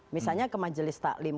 misalnya ke majelis taklim